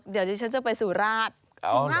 เดี๋ยวชั้นจะไปสุราชดูล่ะ